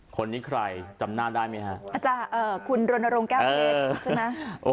คนนี้ใครจำนาญได้ไหมฮะอาจารย์เอ่อคุณรณรงค์แก้วเพชรเออ